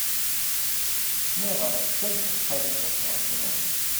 Mir war das sündhaft teure Restaurant zu nobel.